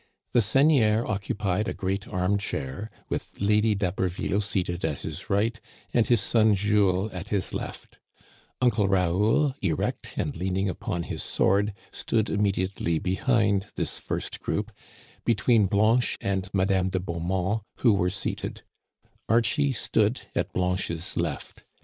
The seigneur oc cupied a great arm chair, with Lady d'Haberville seated at his right and his son Jules at his left Uncle Raoul, erect and leaning upon his sword, stood immediately be hind this first group, between Blanche and Madame de Beaumont who were seated Archie stood at Blanche's left.